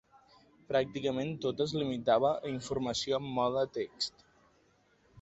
Pràcticament tot es limitava a informació en mode text.